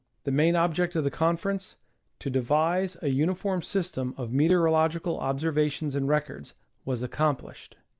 The main ob ject of the conference, to devise a uniform system of meteoro logical observations and records, was accomplished.